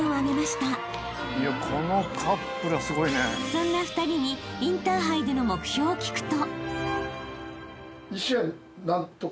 ［そんな２人にインターハイでの目標を聞くと］